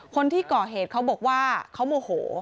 คนที่ก่อเหตุเขาบอกว่าเขาโมโห